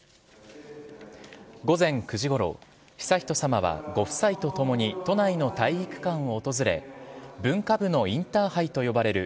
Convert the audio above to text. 午前９時ごろ、悠仁さまはご夫妻と共に都内の体育館を訪れ、文化部のインターハイと呼ばれる、